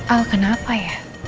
al kenapa ya